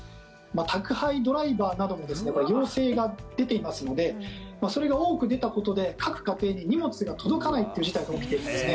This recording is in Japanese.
宅配ドライバーなども陽性が出ていますのでそれが多く出たことで、各家庭に荷物が届かないという事態が起きているんですね。